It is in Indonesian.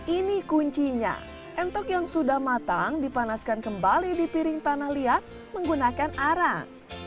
ini kuncinya entok yang sudah matang dipanaskan kembali di piring tanah liat menggunakan arang